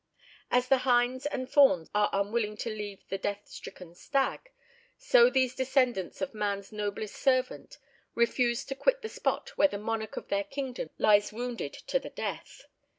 As the hinds and fawns are unwilling to leave the death stricken stag, so these descendants of man's noblest servant refused to quit the spot where the monarch of their kingdom lies wounded to the death.